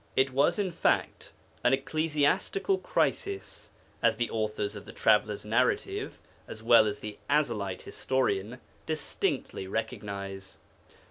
It was, in fact, an ecclesiastical crisis, as the authors of the Traveller's Narrative, as well as the Ezelite historian, distinctly recognize.